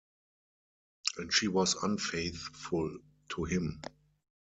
And she was unfaithful to him.